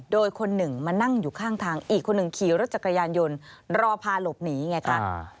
โดยคนหนึ่งมานั่งอยู่ข้างทางอีกคนหนึ่งขี่รถจักรยานยนต์รอพาหลบหนีไงคะ